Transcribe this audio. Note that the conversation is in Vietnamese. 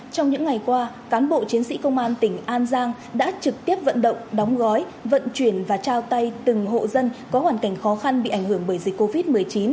trong những ngày qua cán bộ chiến sĩ công an tỉnh an giang đã trực tiếp vận động đóng gói vận chuyển và trao tay từng hộ dân có hoàn cảnh khó khăn bị ảnh hưởng bởi dịch covid một mươi chín